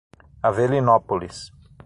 Avelinópolis